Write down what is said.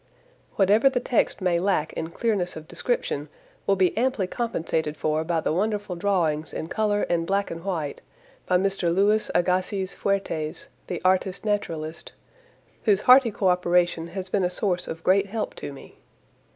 Whatever the text may lack in clearness of description will be amply compensated for by the wonderful drawings in color and black an white by Mr. Louis Agassiz Fuertes, the artist naturalist, whose hearty cooperation has been a source of great help to me.